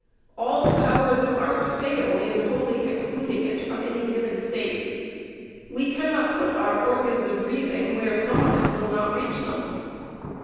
All the powers of art fail in wholly excluding it from any given space. We cannot put our organs of breathing where some of it will not reach them.